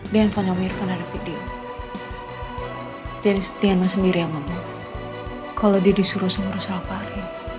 deni setiano sendiri kalau disuruh